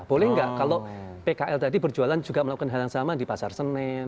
boleh nggak kalau pkl tadi berjualan juga melakukan hal yang sama di pasar senen